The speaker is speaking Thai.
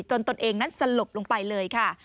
ตนเองนั้นสลบลงไปเลยค่ะ